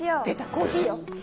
コーヒーよ！